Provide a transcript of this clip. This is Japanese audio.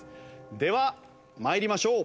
では参りましょう。